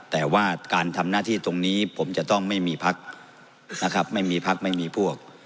แต่ว่าการทำหน้าที่ตรงนี้ผมจะต้องไม่มีพักนะครับไม่มีพักไม่มีพวก